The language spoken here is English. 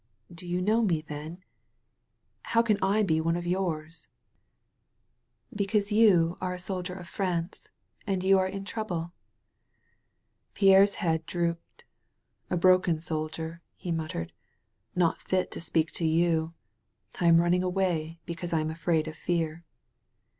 "Do you know me, then? How can I be one of yours?" 1*7 THE VALLEY OF VISION ^'Because you aie a soldier of France and you are in trouble/' Pierre's head drooped. ''A broken soldier," he muttered, *'not fit to speak to you. I am running away because I am afraid of fear."